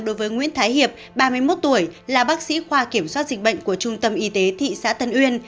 đối với nguyễn thái hiệp ba mươi một tuổi là bác sĩ khoa kiểm soát dịch bệnh của trung tâm y tế thị xã tân uyên